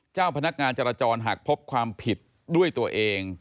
เจ้าพนักงานจราจรหากพบความผิดด้วยตัวเอง